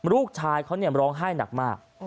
ลูกชายเขาร้องไห้หนักมาก